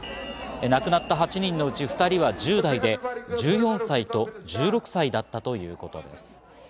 亡くなった８人のうち２人は１０代で１４歳と１６歳だったということです。